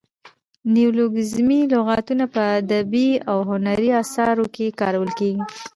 نیولوګیزمي لغاتونه په ادبي او هنري اثارو کښي کارول کیږي.